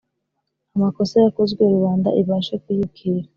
amakosa yakozwe rubanda ibashe kuyizibukira.